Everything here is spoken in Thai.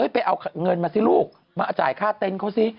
ไปเอาเงินมาสิลูกมาจ่ายค่าเต็นต์เขาสิ